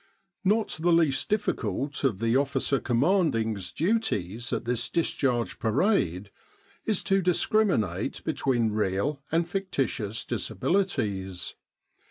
Not the least difficult of the O.C.'s duties at this Discharge Parade is to discriminate between real and fictitious disabili ties.